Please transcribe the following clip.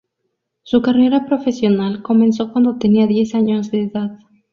Su carrera profesional comenzó cuando tenía diez años de edad.